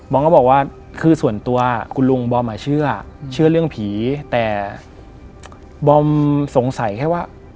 ก็บอกว่าคือส่วนตัวคุณลุงบอมอ่ะเชื่อเรื่องผีแต่บอมสงสัยแค่ว่า